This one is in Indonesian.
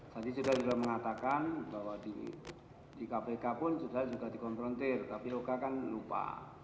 tadi sudah mengatakan bahwa di kpk pun sudah dikonfrontir tapi oka kan lupa